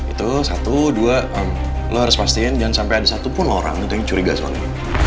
itu satu dua lo harus pastiin jangan sampai ada satupun orang yang curiga soalnya